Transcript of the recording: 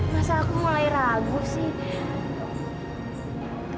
masa aku mulai ragu sih